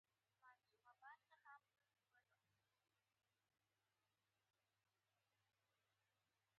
دوی د لاهور په شمول ټوله علاقه تر ولکې لاندې کړې وه.